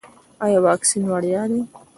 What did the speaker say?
ایا واکسین وړیا دی؟